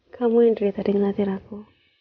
kamu sendiri tadi ngeliatin aku